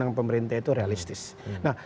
yang pemerintah itu realistis nah